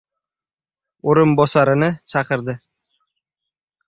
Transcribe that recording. O‘rinbosarini chaqirdi.